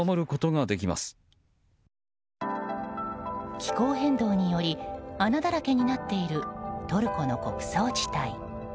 気候変動により穴だらけになっているトルコの穀倉地帯。